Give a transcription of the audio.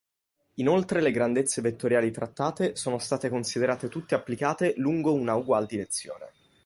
Inoltre le grandezze vettoriali trattate sono state considerate tutte applicate lungo una ugual direzione.